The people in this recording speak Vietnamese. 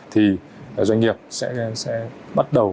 thì doanh nghiệp sẽ bắt đầu